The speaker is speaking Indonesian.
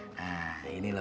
nah ini lho